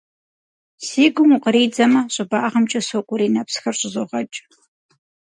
Си гум укъыридзэмэ, щӏыбагъымкӏэ сокӏуэри нэпсхэр щӏызогъэкӏ.